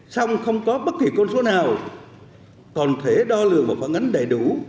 song không có bất kỳ con số nào còn thể đo lường và phản ánh đầy đủ